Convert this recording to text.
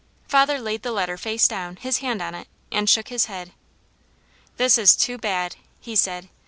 Father laid the letter face down, his hand on it, and shook his head. "This is too bad!" he said.